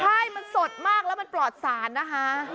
ใช่มันสดมากแล้วมันปลอดศาลนะคะ